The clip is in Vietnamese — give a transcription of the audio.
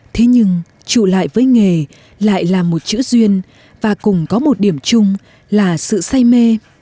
thế nhưng trụ lại với nghề lại là một chữ duyên và cùng có một điểm chung là sự say mê